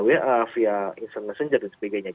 wa via instant messenger dan sebagainya